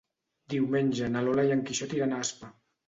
Diumenge na Lola i en Quixot iran a Aspa.